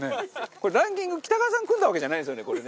これランキング北川さん組んだわけじゃないんですよね？